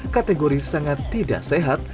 kategori sangat tidak sehat